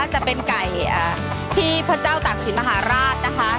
จะเป็นไก่ที่พระเจ้าตากศิลปมหาราชนะคะ